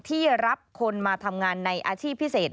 ที่รับคนมาทำงานในอาชีพพิเศษ